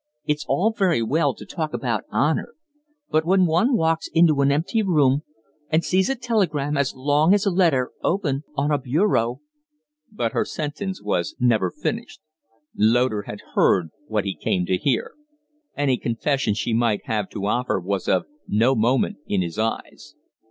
It's all very well to talk about honor, but when one walks into an empty room and sees a telegram as long as a letter open on a bureau " But her sentence was never finished. Loder had heard what he came to hear; any confession she might have to offer was of no moment in his eyes.